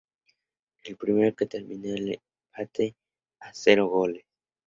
El primero que terminó en empate a cero goles.